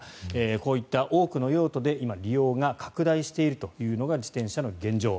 こういった多くの用途で今、利用が拡大しているのが自転車の現状。